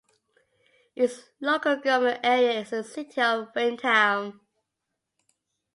Its local government area is the City of Wyndham.